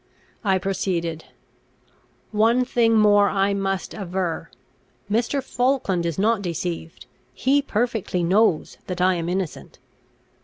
I proceeded: "One thing more I must aver; Mr. Falkland is not deceived; he perfectly knows that I am innocent."